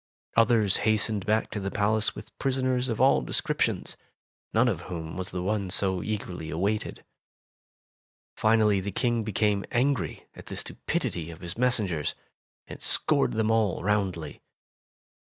Others hastened back to the palace with prisoners of all descriptions, none of whom was the one so eagerly awaited. Finally the King became angry at the stupidity of 66 Tales of Modern Germany his messengers, and scored them all roundly.